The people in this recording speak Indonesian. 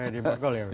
di borkol ya pak